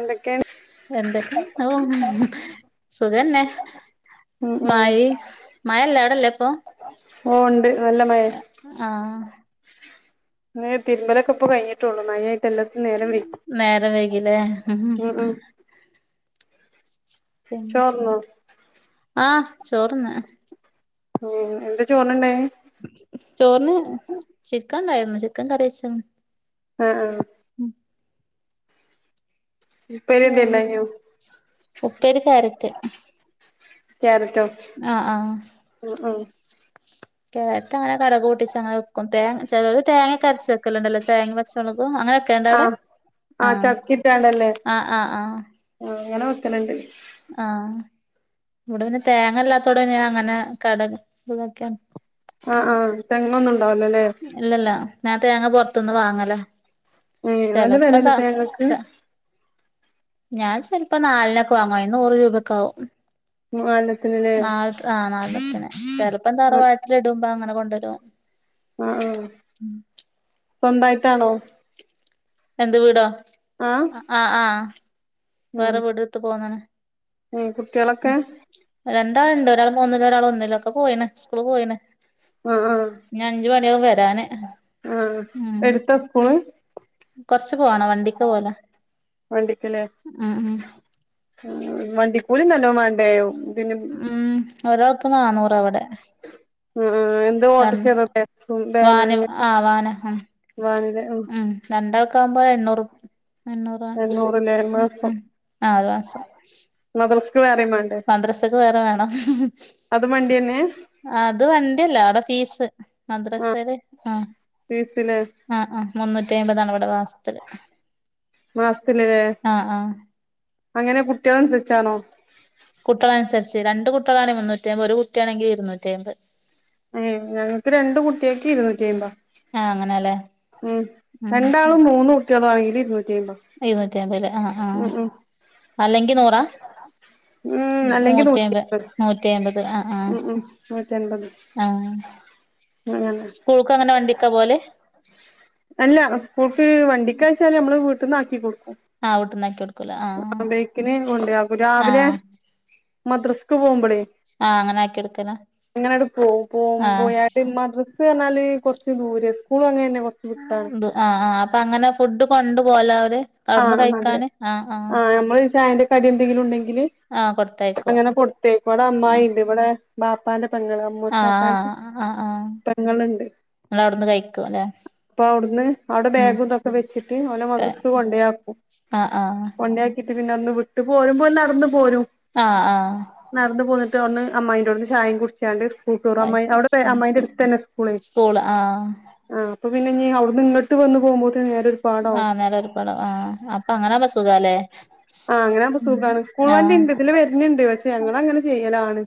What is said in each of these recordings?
എന്തൊക്കെയാണ് എന്തൊക്കെ ഓ സുഖന്നെ ഉം ഉം മായി മായല്ല വിടല്ലേ ഇപ്പൊ? ഓ ണ്ട് ആഹ് തിരുമ്പലൊക്കെ ഇപ്പ കഴിഞ്ഞിട്ടുള്ളു മയെ ല്ലത്തിൻ നേരം വകി നേരം വൈകില്ലേ ഉം ഉം പിന്നെ ചോർന്നോ ആ ചോർന്ന്. ഉം എന്താ ചോറെനിൻഡായിനെ? ചോറിന് ചിക്കൻ ണ്ടായിരുന്നു ചിക്കൻ കറിവെച്ചിണ് ആ ആ ഉം ഉപ്പേരി ആ എന്തേ ഉണ്ടായിനോ ഉപ്പേരി കാരറ്റ് കാരറ്റോ അ ആ കേരറ്റ് അങ്ങനെ കടക് പൂട്ടിച്ച് അങ്ങന വെക്കും തേങ്ങ ചേലോര് തേങ്ങക്ക കരച്ച് വെക്കലുണ്ടല്ലോ തേങ്ങ വച്ചമൊളക് ആ ആ ചതകിട്ടാണ്ടല്ലേ ആഹ് ആഹ് ആഹ് ആ അങ്ങനെ വെക്കല്ണ്ട് ആഹ് ഇവിടെ പിന്നെ തേങ്ങ ഇല്ലാത്തോടെ ഇന്നെ അങ്ങനെ കടക ഇതൊക്കെയാണ് ആ ആഹ് തെങ്ങൊന്നും ഇണ്ടാവലോല്ലേ ഞാ തേങ്ങ പുറത്തൊന്ന് വാങ്ങല ഉം നല്ല ചെലപ്പം വിലല്ല ത തേങ്ങക്ക്? ച ഞാൻ ചിലപ്പോ നാലിനൊക്കെ വാങ്ങുവ അ നൂറ് രൂപൊക്കെ ആകും മാന്നാലത്തിന് ല്ലേ െ ചെിലപ്പം തറവാട്ടിലിടുമ്പോ അങ്ങനെ കൊണ്ടരും ആ ആ സ്വന്തായിട്ടാണോ എന്ത് വീടോ ആ ആഹ് ആ ഉം വേറെ വീടെടുത്ത് പോന്നനെ ഉം ഉം കുട്ടികളൊക്കെ രണ്ടാള ഇണ്ട് ഒരാൾ മൂന്നില ഒരാൾ ഒന്നിലോ ഒക്കെ പോയിണ് സ്കൂള് പോയിണ് ആ ആ ഞ ഞ്ച് മണി വ ആഹ് എടുത്താ സ്കൂള്? കൊറച്ച്ു പോവാണോ വണ്ടിക്ക് പോലെ ഉം ഉം ഉം വണ്ടിക്കൂലി നല്ലോ മാണ്ടേ? ഉം ഒരാൾക് നാന്നൂറ വിടെ ആ ആ എന്താ ഓട്രാഷേ വാന് ആ [unintelligible] വാനില ഒ രണ്ടൾക്ക ആകുമ്പോ എണ്ണൂറ്- എണ്ണൂറാണ് എണ്ണൂറ്ല്ലേ ഉം മാസം ഉം ആറ മാസം. മദ്രസ്ക്ക് വേറെയും വേണ്ടേ മദ്രാസ ക്കെ വേറെ വേണം അതും വണ്ടിയന്നെ അത് വണ്ടിയല്ല അവിടെ ഫീസ് ആഹ് മദ്രസല് ആ ഫീസില്ലേ ആ ആ മുന്നൂറ്റി അമ്പതാണ് ഇവിടെ വാസ് ത്തിൽ മാസത്തിൽ ലെ അങ്ങനെ കുട്ട്യാളൻസര്ച്ചാണോ? കുട്ട്യാളൻസര്ച്ച് രണ്ടു കുട്ടോളാണെങ്കിൽ മുന്നൂറ്റി അയ്മ്പത് ഒരു കുട്ടിയാണെങ്കി ഇരുന്നൂറ്റി അയ്മ്പത് ഏ ഞങ്ങക്ക് രണ്ട് കുട്ടേക് ഇരുന്നൂറ്റി ഐമ്പദാ. ആ അങ്ങനെല്ലേ ഉം ഉം രണ്ടാള്ും മൂന്ന് കുട്ട്യളും ആണെങ്കില് ഇരുന്നൂറ്റി അയിബതാ [unintelligible] ആഹ് ആ അല്ലെങ്കി നൂറ് ഉം എത്ര അല്ലെങ്കി നൂറ്റി നൂറ്റാമ്പത് അയ്മ്പത് നൂറ്റിയെമ്പത് ആ. ആഹ് ഉം ഉം നൂറ്റി അൻപത് ആഹ്. അങ്ങനെ സ്കൂൾക്ക് അങ്ങനെ വണ്ടിക്കാ പോവല് അല്ല സ്കൂൾക്ക് വണ്ടിക്കാച്ചാല് നമ്മള് വീട്ട്ന്ന് ആക്കി കൊടു ആഹ് വീട്ട്ന്നാക്കി കൊട് ആ ബേയ്ക്കിന് കൊണ്ടോയാകും രാവിലെ ആ മദ്രസക്ക് പോകുമ്പളേ ആഹ് അങ്ങനെ ആക്കി എടുക്കല എങ്ങനെആൺണ്ട് പോകും പോ ആഹ് പോയാണ്ട് മദ്രസ എന്നാല് കുർച്ച് ദൂരെ സ്കൂളും അങ്ങനന്നെ. ആ ആ അപ്പൊ അങ്ങനെ ഫുഡ് കൊണ്ടു പോവല്ലേ അവര്. ആഹ് അതെ ആഹ് നമ്മള് ചായന്റെ കടി എന്തെങ്കിലും ഉണ്ടെങ്കില്. ആഹ് അങ്ങനെ കൊടുത്തയക്കും കൊടുത്തേക്കും ഇവിടെ ആഹ് അമായിണ്ട് ഇവടെ ബാപ്പാന്റെ പെങ്ങള് അമോഷാക്കാന്റെ ആഹ് ആഹ് ആഹ് പങ്ങളുണ്ട്. നിങ്ങളവിടുന്ന് കഴിക്കും അല്ലെ അപ്പൊ ഔട്ന്ന് അവിടെ ഉം ബാഗു തൊക്കെ വെച്ചിട്ട് ഓലെ മദ്രറസ്. കൊണ്ടോയാക്കും ആഹ് ആഹ് കൊണ്ടോയാക്കിട്ട് പിന്നെ ഒന്ന് വിട്ട് പോരുമ്പോൽ ന്നടന്ന് പോരും. ആഹ് നടന്ന് പോന്നിട്ട് ഒന്ന് അമ്മായിന്റോട്ന്ന് ചായേം കുടിച്ചാണ്ട് സ്കൂക് അമ്മായി ആഹ് അവിടെ അമ്മായിന്റെ അടുത്തന്നെ സ്കൂള് ആ അപ്പൊ പിന്നെ ഇനി ഔ അവ്ട്ന്ന് ഇങ്ങട്ട് വന്ന് പോവുമ്പോതേന് ഒരു പാടാവും. ആഹ് നേരം ആഹ് അപ്പൊ അങ്ങനെ എ ആഹ് അങ്ങനനാവുബോ സുഗാണ് സ്കൂൾ വണ്ടി ഇണ്ട് ഇതിലെ വര്ന്ന്ണ്ട് പക്ഷെ ഞങ്ങളങ്ങനെചെയ്യലാണ്.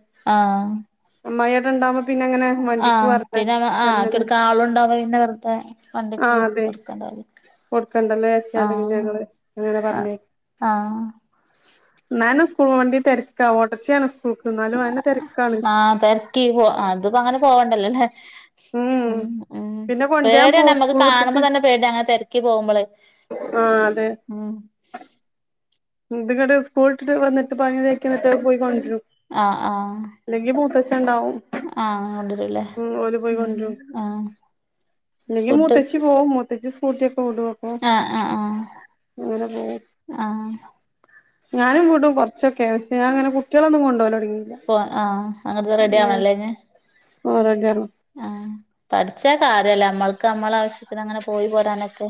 അമ്മായി ആ പിന്നെ ആഹ് തരലന്നെ കിടക്കാൻ ആളുണ്ടാവു പിന്നെ വെറുതെ വണ്ടിക്ക് ആഹ് അതെ കൊടുക്കണ്ട. അ കൊടുക്കണ്ടല്ലോ ചേര്ച്ചണ്ട് പിന്നെ ഞങ്ങള് ങ്ങനെ പറഞ്ഞ് ആഹ്. ന്നാല് സ്കൂ വണ്ടി തെരക്ക ഓട്ടർശെയെണ് സ്കൂൾ ആ തെരക്കി പോ അത് അങ്ങനെ പോവണ്ടല്ലോല്ലേ. ഉം. ഉം ഉം പിന്നെ കൊണ്ടരാൻ പേടി ആണ് പോവും നമ്മുക്ക് സ്കൂൾ കാണുമ്പോ വിട്ടിട്ട് തന്നെ പേടി അങ്ങനെ തെരക്കി പോകുബെളെ. ആഹ് അതെ. ഇത് ങ്ങണ്ട് സ്കൂള്ട്ട് വന്ന്ട്ട് പണി [unintelligible] പോയികൊണ്ട ആഹ് ആഹ്. ണ്ടാവും ആഹ് കൊണ്ടരൂല്ലേ ഓര് ഉം പോയികൊൺടരും ആഹ് ല്ലങ്കി ഫുഡ് മൂത്തച്ചി പോവും മൂത്തച്ചി സ് ടു അപ്പൊ ആഹ് ആഹ് ആഹ് അങ്ങനെ പോവും. ആഹ് ഞാനും കൂടും കൊറച്ചൊക്കെ പക്ഷെ ഞാൻങ്ങനെ കുട്ടികളൊന്നും കൊണ്ടോവലൊടങ്ങിയില്ല പോ ആഹ് അങ്ങടത്തെ റെഡി ഉം ആവണല്ലേ അയിന് ഓരൊക്കെയാണ് ആഹ്. പഠിച്ച കാര്യല്ലേ നമ്മൾക്ക് നമ്മള ആവശ്യത്തിന് അങ്ങനെ പോയി പോരാനൊക്കെ കെ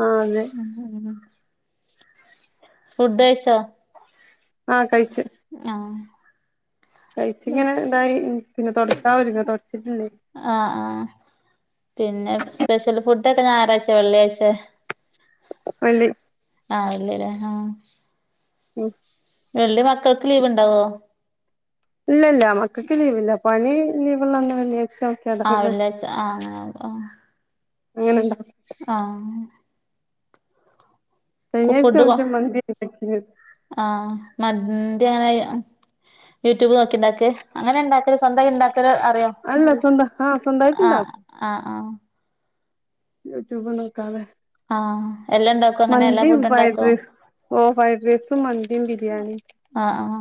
ആ അതെ ഉം. ഫുഡഴിച്ചോ? ആഹ് കഴിച്. ഞാഹ്. കഴിച്ച ഇങ്ങനെ ഇതായി പിന്നെ തൊടക്കാനൊര്ങ്ങ തൊടച്ചിട്ടില്ലേ. ആഹ് ആഹ് പിന്നെ സ്പെഷ്യൽ ഫുഡൊക്കെ ഞായറാഴ്ചെ വെള്ളിയായ്ചെ? വെള്ളി. അല്ലല്ലേ ഹാ ഉം വെള്ളി മക്കൾക്ക് ലീവ് ഉണ്ടാവോ? ഇല്ല ഇല്ല മക്കൾക്ക് ലീവില്ല. പണി ലീവള്ളന്ന് ആ വെള്ളിയാഴ്ച്ച ആഹ് ആ അങ്ങനെ ഉണ്ടാക്കും ആഹ് കഴിഞ്ഞാഴ്ച ഫുഡ് കോ മറ്റേ മന്തി ഉണ്ടാക്കിയത് ആഹ് മന്ത്യാണ് യൂട്യൂബ് നോക്കി ഇണ്ടാക്കെ അങ്ങനെ ഇണ്ടാക്കല് സ്വന്തായി ഇണ്ടാ ഇത്രെ അറിയോ അല്ല സ്വന്തം ആ ആ സ്വന്തമായിട്ടുണ്ടാക്കും ആ ആ യുറ്റ്യൂബ് നോക്കാതെ ആഹ് എല്ലാം ഇണ്ടാക്കോ അങ്ങനെ എല്ലാ മന്തിയും ഫുഡ് ഫ്രൈഡ് ഉണ്ടാക്കോ? റൈസ് ഓ ഫ്രൈഡ് റൈസും മന്തിയും ബിരിയാണിയും ആ ആ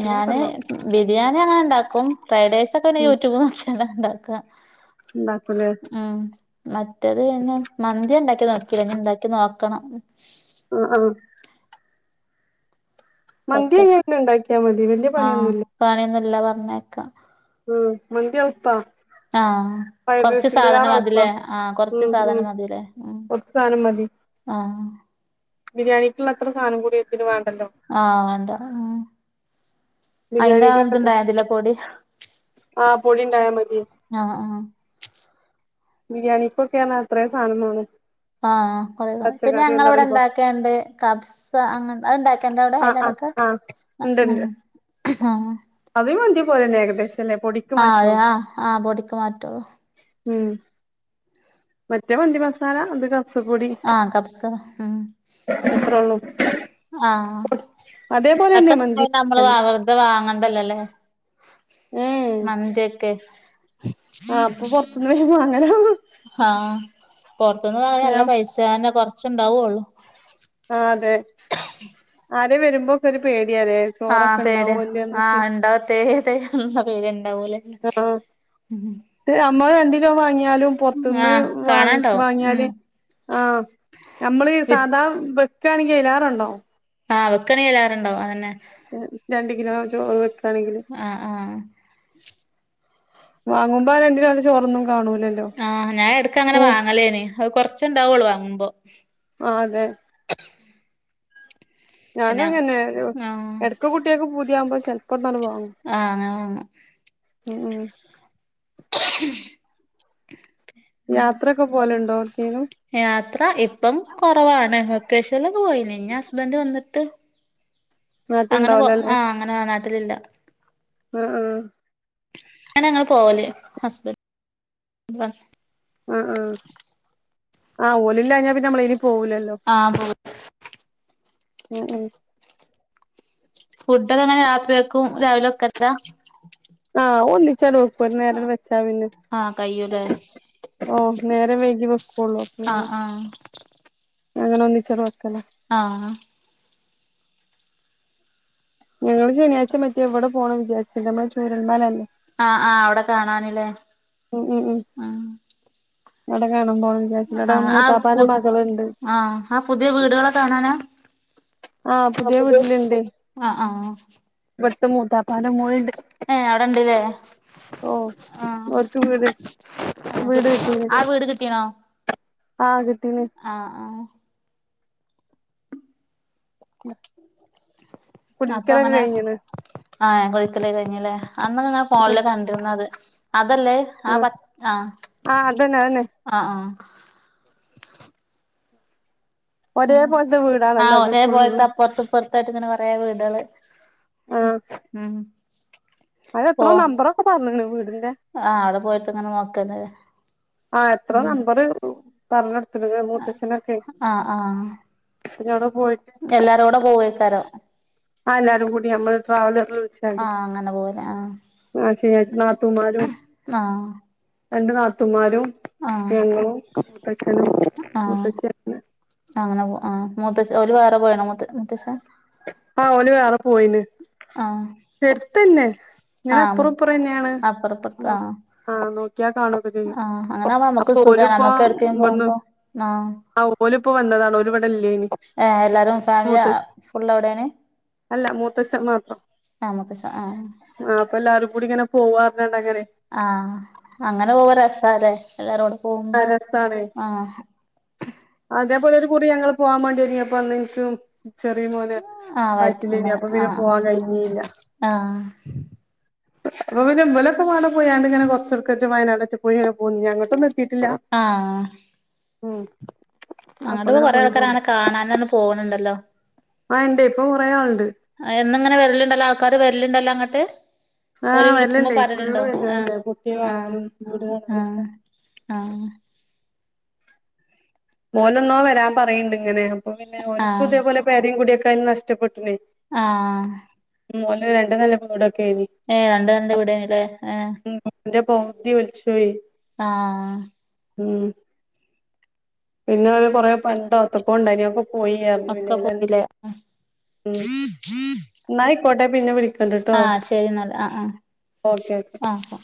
അങ്ങനൊക്കെ ഞാന് ഉണ്ടാക്കും ബിരിയാണി അങ്ങനെ ഇണ്ടാക്ക ഇപ്പം ഫ്രൈഡേയ്സ് ഒക്കെന്നെ യൂട്യൂബ് നോക്ക്യാണ്ടാണ്ടാക്കാ ഇണ്ടാക്കുലേ മറ്റേത് പിന്നെ മന്തി ഞാ ഇണ്ടാക്കി നോക്കീല ഇഞ് ഇണ്ടാക്കി നോക്കണം. ആ ആ മന്തി ഒറ്റക്ക് എങ്ങനെ ഉണ്ടാക്കിയാൽ മതി വല്യ ആഹ് പണിയൊന്നുമില്ല പണിയൊന്നുംല്ല പറഞ്ഞേക്കാ ഉം മന്തി എള്പ്പാ ആഹ് കൊറച്ച് സാധനം എളുപ്പാ മതിലേ ആഹ് കൊറച്ച് ഉം ഉം സാധനം മതി ലേ ഉം കുറച്ച് സാനം മതി. ആഹ് ബിരിയാണിക്ക്ള്ള അത്രസാനം കൂ ആഹ് വാണ്ട അയിൻ്റെ ആ ദ് ണ്ടായാതിലെ പൊടി. ആഹ് പൊടി ഇണ്ടായാ മതി. ആഹ് ആഹ് ബിരിയാണിക്കൊക്കെ ർഞ്ഞ എത്രേ സാനം മാണം. ആഹ് കൊറേ സാ പിന്നെ ഞങ്ങളെ ഇവിടെ പറയുമ്പോ ഇണ്ടാക്ക്യാണ്ട് കബ്സ അങ്ങൻ അത്ണ്ടാ ആ ആ ആ ഇണ്ട് ണ്ട് അതീ മന്തി പോലെന്നെ ഏകദേശം അല്ലേ പൊടിക്ക് ആഹ് അതെ മാറ്റൊള്ളൂ ആ ആ പൊടിക്ക് മാറ്റോള്ളൂ. ഉം മറ്റേ മന്തി മസാല അധികം ആ കബ്സ ഉം അത്രൊള്ളൂ ആ അതേപോലെന്നെ മന്തി [unintelligible] നമ്മള് വെക്കല് വ വെറുതെ വാങ്ങണ്ടല്ലോല്ലേ. മന്തിയൊക്കെ. ആ അപ്പൊ പൊറത്ത്ന്ന് വാങ്ങലാ ഹാ പൊറത്ത്ന്ന് വങ്ങ്‌യ നല്ല വേം പൈസ അതന്നെ കൊറച്ച്ണ്ടാവുള്ളു. ആ അതെ ആരെ വരുമ്പോക്കെ ഒരു പേ ആ പേടിയ ആ ഉണ്ടാവു തേയ് തേയ്ന്ന പേടിയാ. ഉം ഇത് അമ്മ രണ്ടിലോ വാങ്ങിയ ഞാലും പൊർത്തന്ന് ആഹ് വാങ്ങ് കാണാണ്ടാവും ഉം വാങ്ങിയാല് ആഹ് നമ്മള് വി സാദാ വെക്കാണെങ്കില് അയ്ലാറെ ഇണ്ടാവും ആഹ് വെക്കാണി അയ്ലാറെണ്ടാവും അതന്നെ രണ്ട്കിലോ ചോറ് വെക്കാണെങ്കില് ആഹ് ആഹ് വാങ്ങുമ്പോ രണ്ടിലോന്റെ ചോറൊന്നും കാണൂലല്ലോ ആഹ് ഞാൻ എടക്ക് അങ്ങനെ ഉ വാങ്ങലേന് അത് കൊറച്ചുണ്ടാ വൊള്ളു വാങ്ങുമ്പോ ആ അതെ ഞാനും പിന്നെ അങ്ങന്നെ ആഹ് എടക്ക് കുട്ടിയേക്ക് പൂതിയാവുമ്പോ ചെലപ്പോ ഒന്നണ്ട് വാ ആഹ് അങ്ങനെ വാങ്ങും. ഉം ഉം [unintelligible] ഉം യാത്രൊക്കെ പോലണ്ടോ? യാത്ര ഇപ്പം കൊറവാണ്. വക്കേഷൻ ലൊക്ക പോയിന് ഇഞ്ഞി ഹസ്ബന്ഡ് വന്ന് ട്ട് അങ്ങനെ പോ നാട്ടിണ്ടാവൂലല്ലേ ആഹ് അങ്ങനെ നാട്ടിലില്ല. ആ ആ അങ്ങനെ ഞങ്ങള് പോവല് ഹസ്ബൻ [unintelligible] ആ ആ ആ ഓലില്ലാ ഞാപ്പിന്നമ്മളെയ്ല് പോവുലല്ലോ. ആ പോവും ഉം ഉം ഫുഡൊക്കെങ്ങനെ രാത്രികക്കും രാവിലെ വെക്കൽ ലാ? ചലോപ്പും ഒരു നേരട് ബെച്ചാ പിന്നെ ആ കയ്യൂലേ ഓ നേരം വേയ്കി വെക്കള്ളൂ ഉം ആ ആ അങ്ങനൊന്നിച്ചട് വെക്കല ആഹ് ഞങ്ങള് ശനിയാഴ്ച മറ്റ്യേ ഇവ്ടെ പോണം വിചാരിച്ച്ണ്ട്, നമ്മളെ ചൂരൽമലല്ലേ ആഹ് ആഹ് അവിടെ കാണാനില്ലേ ഉം ഉം ഉം അടകാ പോണം വിജാര്ച്ച്ണ്ട് ആ അവ്ടെ ആ ആ പു മൂത്താപ്പാൻ്റെ മകള്ണ്ട് ആ ആ പുതിയ വീടുകളൊക്കെ കാണാനാ ആഹ് പുതിയ വീട്ടിലിണ്ട്, ആ ആ ഇവ്ട്ത്തെ മൂത്താപ്പാൻ്റെ മോള്ണ്ട് ഏഹ് അവിടെണ്ട് ല്ലേ ആഹ് ഓര്ക്ക് വീട് വീട് കിട്ടീന് ആ വീട് കിട്ടിക്ക്ണോ ആഹ് കിട്ടീന് ആഹ് ആഹ് [unintelligible] അപ്പൊ കുടിരിക്കലൊക്കെ അങ്ങനെ കഴിഞ്ഞ്ണ് ആഹ് കുടിര്ക്കലൊക്കഴിഞ്ഞൂ ല്ലേ അന്ന് ങനെ ഉം ഫോണില് കണ്ടീനത് അതല്ലേ ആ പ ആഹ് ന്നെ ആന്നെ ആഹ് ആഹ് ഒരേ പോലത്തെ വീടാണല്ലോ ആഹ് അത് ഒരേ പോല്ത്തെ ഫുള്ള് അപ്പുറത്ത്പ്പുറത്തായിട്ട് ങ്ങനെ കുറേ വീടാള് ഉം ആഹ് ഉം അത് പോ എത്രോ നമ്പറൊക്കെ പറഞ്ഞ്ണ് വീടിന്റെ ആഹ് അവിടെ പോയിട്ട്ങ്ങനെ നോക്കന്നെ ആ എത്ര നമ്പറ് പറഞ്ഞൊടു [unintelligible] മൂത്തച്ഛനൊക്കെ ആഹ് ആഹ് വ്‌ടെ പോയിട്ട് എല്ലാരും കൂടെ പോവേക്കാരോ ആ എല്ലാരും കൂടി നമ്മള് ട്രാവൽ ള്ച്ചാണ്ട് ആഹ് അങ്ങനെ പോവൂലേ ആഹ് അഹ് ശന്യായ്ച്ച നാത്തൂമാരും ആഹ് രണ്ട് നാത്തുമാരും ആഹ് ഞങ്ങളും മൂത്തച്ചൻ ആഹ് മൂത്തച്ചൻ അങ്ങനെ പോ ആഹ് മുത്തശ് ഓല് വേറെ പോയീണോ മൂത്ത മൂത്തച്ഛൻ ആഹ് ഓല് വേറെ പോയിണ് ആഹ് എടുത്തന്നെ ഇങ്ങനെ ആഹ് അപ്പുറം ഇപ്പുറന്നേണ് അപ്പറപ്പുറത്ത് ആഹ് ആഹ് നോക്കിയാ കാണൊക്കെ ചെയ്യും ആഹ് അങ്ങനാവുമ്പോ നമ്മക്ക് സുഖാണ് അപ്പോല്‌പ്പോ നമ്മക്ക് എവിടക്കേലും വന്ന് പോകുമ്പോ ആഹ് ഓലിപ്പ് വന്നതാണ് ഓല് വ്ടെ ഏഹ് എല്ലാരും ഫാമിലി അഹ് ഫുള്ള് അവ്ടേണ് അല്ല മൂത്തച്ഛം മാത്രം ആമൂത്തച്ച ആഹ് പ്പല്ലാരും കൂടിങ്ങനെ പോവാറ്ഞ്ഞാണ്ട്ങ്ങനെ ആഹ് അങ്ങനെ പോവ രസാല്ലേ എല്ലാരോടും അഹ് രസാണേ അതേപോലൊരു കൂറി ഞങ്ങള് പോവാൻ മാണ്ടി യൊരുങ്ങിപ്പോ അന്ന്ൻക്ക് ചെറിയ മോന് ആഹ് വയറ്റിട്ട്ണ്ട് വയറ്റിലേയ്ന് അപ്പൊ പിന്നെ ആഹ് പോവാൻ കഴിഞ്ഞീല്ല ആഹ് അപ്പൊ പിന്നെ ബലൊക്കെ മാണ്ടെ പോയാണ്ടിങ്ങനെ കൊറച്ചട്ക്കറ്റ വയനാടൊക്കെ പോയിങ്ങനെ പോന്നു അങ്ങട്ടൊ ആഹ് ഉം അപ്പൊ അങ്ങോട്ടു അങ്ങനെ കൊറെ പോയി പോന്നു ആൾക്കാരങ്ങനെ കാണാനാർന്ന് പോണ് ണ്ടല്ലോ ആഹ് ഇണ്ട് ഇപ്പൊ കുറേ ആളുണ്ട് ഇന്നിങ്ങനെ വരലുണ്ടല്ലോ ആൾക്കാർ വരലുണ്ടല്ലങ്ങട്ട് ഓര് ആഹ് വിളിക്കുമ്പോ വര്ല്ണ്ടേ ഫുള്ള് പറലുണ്ടോ ആഹ് വര്ന്നോല്ണ്ട് കുട്ടിയെ ആഹ് കാണാനും വീട് ആഹ് കാണാനൊക്കെ ആഹ് മോനൊന്നോ വരാൻ പറയണ്ട് ഇങ്ങനെ അപ്പൊ ആഹ് പിന്നെഓക്ക് ആഹ് ഇതേപോലെ പേരേയും കൂഡ്യോക്കെ നഷ്ടപ്പെട്ട്ണേ ആഹ് മോളിൽ രണ്ട് നെല വീട് ഏ [unintelligible] ഏ പോവുതി ഒല്ച്ചോയി ആ മ്മ് പിന്നെ അവര് കൊറേ പണ്ടൊ എത്തോക്കൊണ്ടായിനി അ ഒക്കെ പോയിറഞ്ഞ് പോയില്ലേ [unintelligible] മ്മ് എന്നായിക്കോട്ടെ ച്ചണ്ട്ട്ടൊ ആഹ് ശരി എന്നാല് ആഹ് ഓക്കേ ഓക്കേ ആഹ് ആഹ്